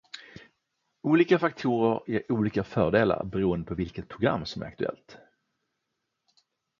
Olika faktorer ger olika fördelar beroende på vilket program som är aktuellt.